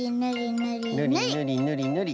ぬりぬりぬりぬり。